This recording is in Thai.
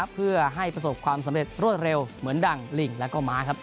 เพื่อให้ประสบความสำเร็จรวดเร็วเหมือนดังลิงแล้วก็ม้าครับ